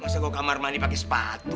masa gue kamar mandi pake sepatu